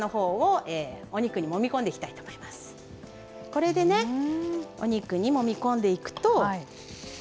これでねお肉にもみ込んでいくと。